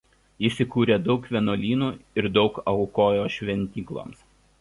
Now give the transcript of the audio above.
Jis įkūrė daug vienuolynų ir daug aukojo šventykloms.